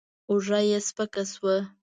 اوږه يې سپکه شوه.